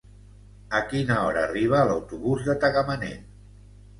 A quina hora arriba l'autobús de Tagamanent?